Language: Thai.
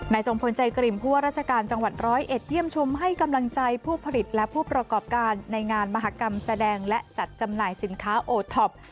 ทรงพลใจกริมผู้ว่าราชการจังหวัดร้อยเอ็ดเยี่ยมชมให้กำลังใจผู้ผลิตและผู้ประกอบการในงานมหากรรมแสดงและจัดจำหน่ายสินค้าโอท็อป